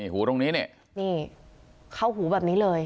หูตรงนี้นี่เข้าหูแบบนี้เลย